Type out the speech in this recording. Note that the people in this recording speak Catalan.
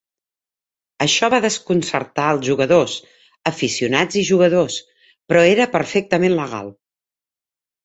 Això va desconcertar els jugadors, aficionats i jugadors, però era perfectament legal.